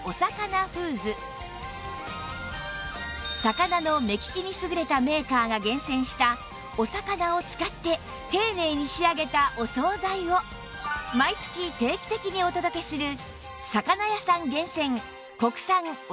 魚の目利きに優れたメーカーが厳選したお魚を使って丁寧に仕上げたお惣菜を毎月定期的にお届けする